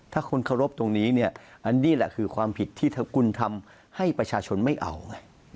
ถ้าคุณเคารพตรงนี้เนี่ยอันนี้แหละคือความผิดที่คุณทำให้ประชาชนไม่เอาไง